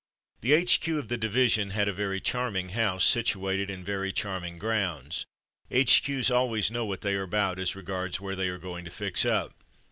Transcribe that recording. The H.Q. of the division had a very charming house situated in very charming grounds. H.Q's. always know what they are about as regards where they are going to fix up.